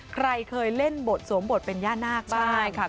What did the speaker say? ใครเคยเล่นบทสวมบทเป็นย่านาคบ้าง